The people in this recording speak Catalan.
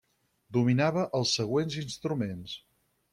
Dominava els següents instruments: